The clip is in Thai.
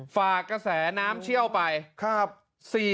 ฝากกระแสน้ำเชี่ยวไป